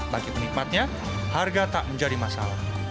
bagi penikmatnya harga tak menjadi masalah